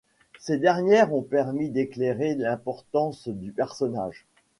Ces dernières ont permis d'éclairer l'importance du personnage.